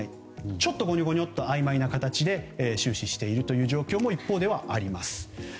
ちょっとごにょごにょとあいまいな形で終始しているという状況も一方ではあります。